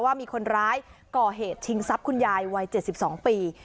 ว่ามีคนร้ายก่อเหตุชิงทรัพย์คุณยายวัย๗๒ปี